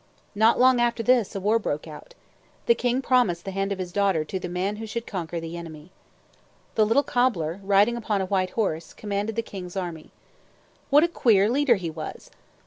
Not long after this, a war broke out. The king promised the hand of his daughter to the man who should conquer the enemy. The little cobbler, riding upon a white horse, commanded the king's army. What a queer leader he was!